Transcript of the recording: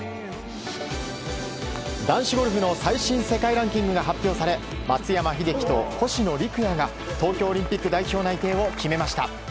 男子ゴルフの最新世界ランキングが発表され松山英樹と星野陸也が東京オリンピック代表内定を決めました。